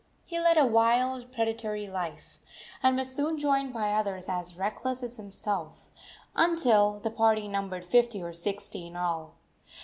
He led a wild, predatory life, and was soon joined by others as reckless as himself, until the party numbered fifty or sixty in all.